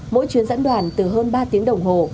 mỗi chuyến dẫn đoàn từ hơn ba tiếng đồng hồ